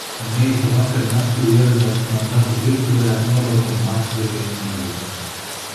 Meita vakar naktī ieradās manā darba virtuvē ar norautiem mākslīgajiem nagiem.